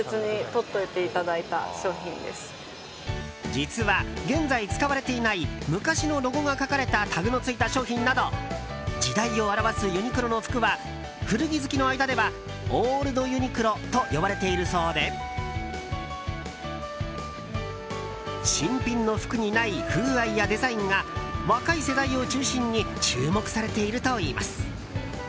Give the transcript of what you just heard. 実は、現在使われていない昔のロゴが描かれたタグの付いた商品など時代を表すユニクロの服は古着好きの間ではオールドユニクロと呼ばれているそうで新品の服にない風合いやデザインが若い世代を中心に注目されているといいます。